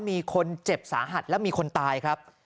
มีคนเจ็บสาหัสและมีคนตายครับ